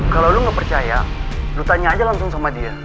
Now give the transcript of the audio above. kalau lo gak percaya lu tanya aja langsung sama dia